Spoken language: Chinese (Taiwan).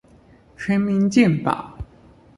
全民健保